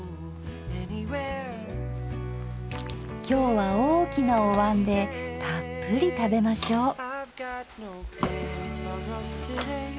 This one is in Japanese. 今日は大きなお椀でたっぷり食べましょう。